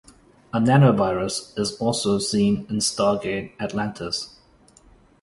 A "nanovirus" is also seen in "Stargate Atlantis".